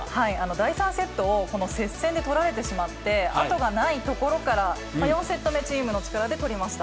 第３セットを接戦で取られてしまって、後がないところから、４セット目、チームの力で取りました。